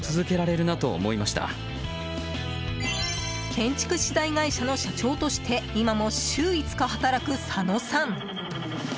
建築資材会社の社長として今も週５日働く佐野さん。